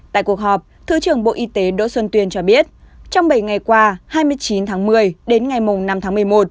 tại cuộc họp thứ trưởng bộ y tế đỗ xuân tuyên cho biết trong bảy ngày qua hai mươi chín tháng một mươi đến ngày năm tháng một mươi một